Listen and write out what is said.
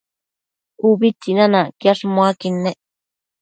Ubi tsinanacquiash muaquid nec